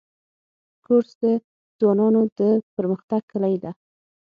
کورس د ځوانانو د پرمختګ کلۍ ده.